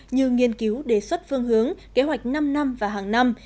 như nghiên cứu đề xuất phương hướng kế hoạch năm năm và hàng năm